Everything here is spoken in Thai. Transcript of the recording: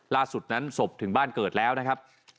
ล่าสุดนั้นศพถึงบ้านเกิดแล้วนะครับ